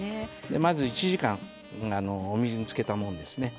まず１時間お水につけたものですね。